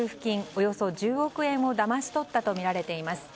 およそ１０億円をだまし取ったとみられています。